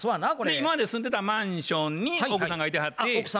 今まで住んでたマンションに奥さんがいてはって。